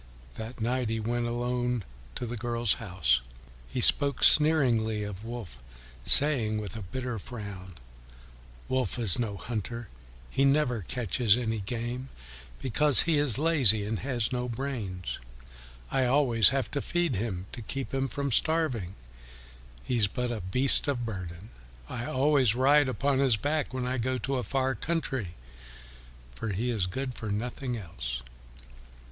That night he went alone to the girl's house. He spoke sneeringly of Wolf, saying with a bitter frown, "Wolf is no hunter; he never catches any game because he is lazy and has no brains; I always have to feed him to keep him from starving; he is but a beast of burden; I always ride upon his back when I go to a far country, for he is good for nothing else."